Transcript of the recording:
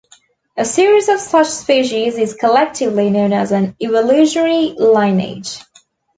A series of such species is collectively known as an evolutionary lineage.